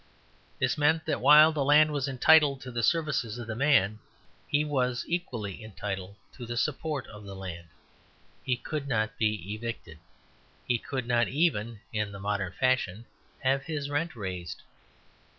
This meant that while the land was entitled to the services of the man, he was equally entitled to the support of the land. He could not be evicted; he could not even, in the modern fashion, have his rent raised.